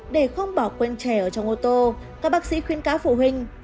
để không bỏ quên trẻ ở trong ô tô các bác sĩ khuyên cáo phụ huynh